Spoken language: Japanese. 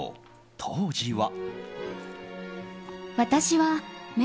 当時は。